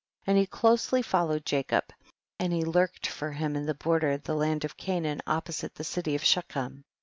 34. And he closely followed Ja cob, and he lurked for him in the border of the land of Canaan oppo site to the city of Shechem.